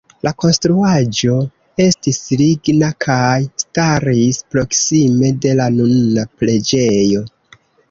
La konstruaĵo estis ligna kaj staris proksime de la nuna preĝejo.